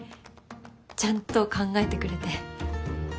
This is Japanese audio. ちゃんと考えてくれて。